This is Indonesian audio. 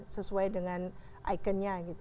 sesuai dengan ikonnya